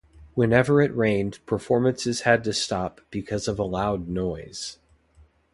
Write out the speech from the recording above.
Whenever it rained performances had to stop because of a loud noise.